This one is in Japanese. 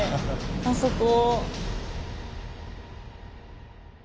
あそこ。